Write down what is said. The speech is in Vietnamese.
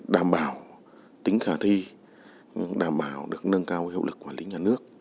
đảm bảo tính khả thi đảm bảo được nâng cao hiệu lực quản lý nhà nước